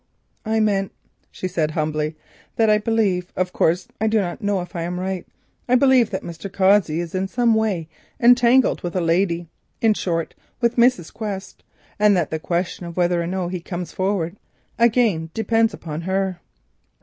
"I meant," she answered humbly, "that I believe—of course I do not know if I am right—I believe that Mr. Cossey is in some way entangled with a lady, in short with Mrs. Quest, and that the question of whether or no he comes forward again depends upon her."